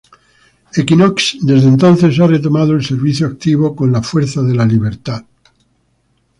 Equinox desde entonces ha retomado el servicio activo con la Fuerza de la Libertad.